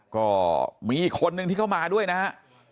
ก็มีอีกคนนึงที่เข้ามาด้วยนะฮะ